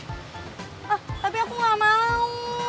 tapi aku gak mau